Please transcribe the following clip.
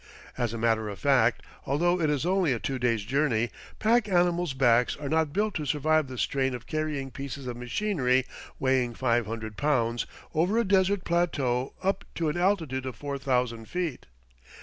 As a matter of fact, although it is only a two days' journey, pack animals' backs are not built to survive the strain of carrying pieces of machinery weighing five hundred pounds over a desert plateau up to an altitude of 4000 feet.